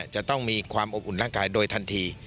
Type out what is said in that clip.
จะต้องมีความอบอุ่นร่างกายโดยทันที